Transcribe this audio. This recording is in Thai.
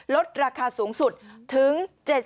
ลดราคาสูงสุดถึง๗๐